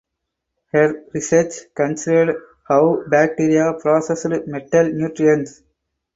Her research considered how bacteria processed metal nutrients.